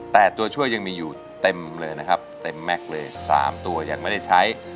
แต่ตัวช่วยยังมีอยู่เต็มเลยนะครับเต็มแม็กซ์เลย๓ตัวยังไม่ได้ใช้